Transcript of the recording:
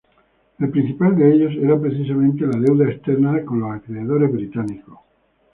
El principal de ellos era precisamente la deuda externa con los acreedores británicos.